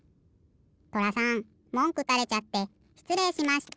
とらさんもんくたれちゃってしつれいしました！